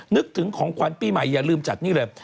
นึกถึงของขวัญปีใหม่อย่าลืมจัดนี่เลย